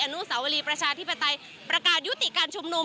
นุสาวรีประชาธิปไตยประกาศยุติการชุมนุม